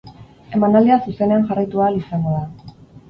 Emanaldia zuzenean jarraitu ahal izango da.